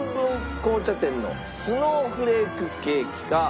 紅茶店のスノーフレークケーキか？